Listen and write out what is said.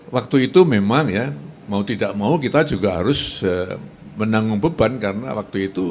waktu itu memang ya mau tidak mau kita juga harus menanggung beban karena waktu itu